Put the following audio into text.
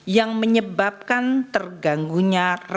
yang menyebabkan terganggunya rantai pasukan